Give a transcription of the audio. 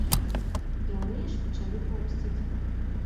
Яўрэі ж пачалі помсціць.